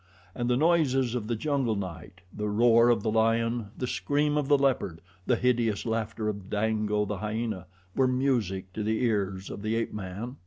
And the noises of the jungle night the roar of the lion, the scream of the leopard, the hideous laughter of Dango, the hyena, were music to the ears of the ape man.